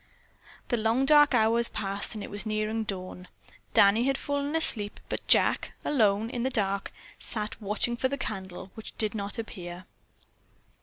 The long dark hours passed and it was nearing dawn. Danny had fallen asleep, but Jack, alone in the dark, sat watching for the candle which did not appear.